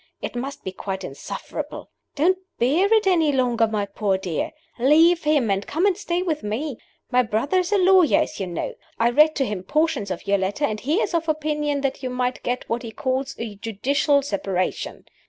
It must be quite insufferable. Don't bear it any longer, my poor dear. Leave him, and come and stay with me. My brother is a lawyer, as you know. I read to him portions of your letter, and he is of opinion that you might get what he calls a judicial separation.